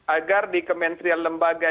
agar di kementerian lembaga